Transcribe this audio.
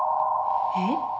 えっ？